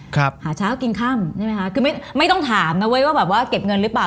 หาเช้ากินค่ำใช่ไหมคะคือไม่ไม่ต้องถามนะเว้ยว่าแบบว่าเก็บเงินหรือเปล่า